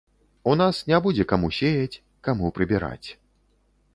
У нас не будзе каму сеяць, каму прыбіраць.